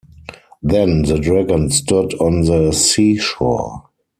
Then the Dragon stood on the seashore.